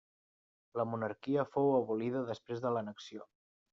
La monarquia fou abolida després de l'annexió.